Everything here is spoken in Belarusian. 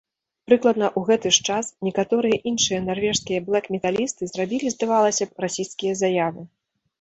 Прыкладна ў гэты ж час некаторыя іншыя нарвежскія блэк-металісты зрабілі, здавалася б, расісцкія заявы.